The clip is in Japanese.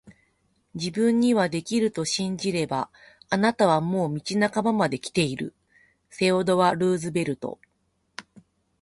自分にはできると信じれば、あなたはもう道半ばまで来ている～セオドア・ルーズベルト～